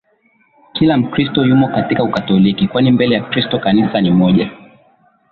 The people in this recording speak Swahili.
kila Mkristo yumo katika Ukatoliki kwani mbele ya Kristo Kanisa ni moja